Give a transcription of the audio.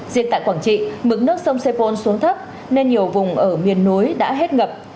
riêng tại quảng trị mức nước sông sepol xuống thấp nên nhiều vùng ở miền núi đã hết ngập